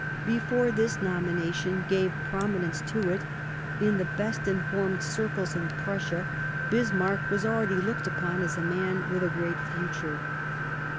Before this no to^wir^"'^ mination gave prominence to it, in the best informed circles in Prussia Bismarck was already looked upon as a man with a great future.